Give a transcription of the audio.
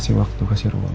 kasih waktu kasih ruang